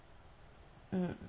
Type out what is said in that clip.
うん。